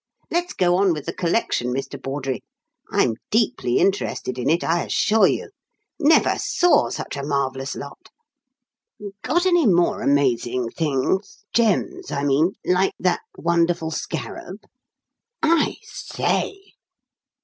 Let's go on with the collection, Mr. Bawdrey; I'm deeply interested in it, I assure you. Never saw such a marvellous lot. Got any more amazing things gems, I mean like that wonderful scarab? I say!"